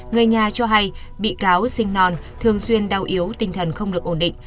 người nhà cho hay bị cáo sinh non thường xuyên đau yếu tinh thần không được ổn định